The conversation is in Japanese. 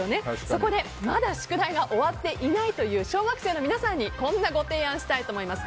そこでまだ宿題が終わっていないという小学生の皆さんにこんなご提案をしたいと思います。